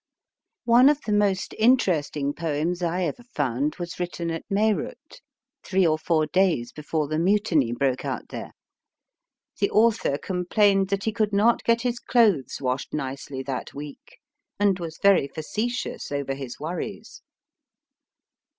One of the most interesting poems I ever found was written at Meerut, three or four days before the Mutiny broke out there. The author complained that he could not get his clothes washed nicely that week, and was very facetious over his worries.